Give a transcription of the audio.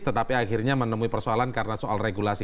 tetapi akhirnya menemui persoalan karena soal regulasi